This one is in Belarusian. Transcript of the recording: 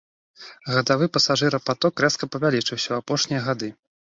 Гадавы пасажырапаток рэзка павялічыўся ў апошнія гады.